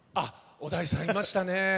小田井さんにいましたね。